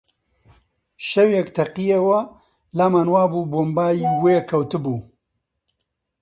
شەوێک تەقیەوە، لامان وا بوو بۆمبای وێ کەوتووە!